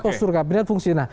postur kabinet fungsinya